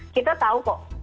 kita tahu kok